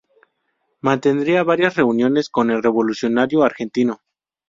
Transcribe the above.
Mantendría varias reuniones con el revolucionario argentino.